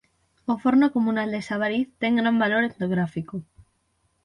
O forno comunal de Sabariz ten gran valor etnográfico.